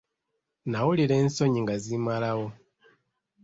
Nnawulira ensonyi nga zimmalawo.